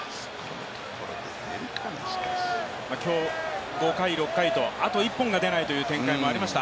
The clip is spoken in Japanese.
今日、５回、６回とあと一本が出ないというところがありました。